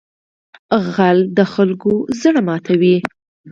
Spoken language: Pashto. غل د خلکو زړه ماتوي